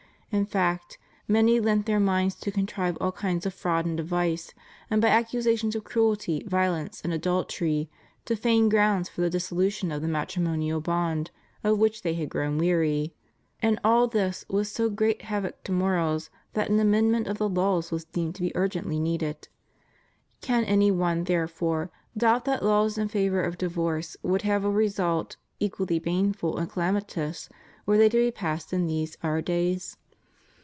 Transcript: In fact, many lent their minds to contrive all kinds of fraud and device, and by accusations of cruelty, violence, and adultery to feign grounds for the dissolution of the matriomnial bond of which they had grown weary; and all this with so great havoc to morals that an amendment of the laws was deemed to be urgently needed. Can any one, therefore, doubt that laws in favor of divorce would have a result equally baneful and calamitous were they to be passed in these our days?